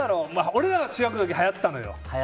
俺らが中学の時、はやったのよ。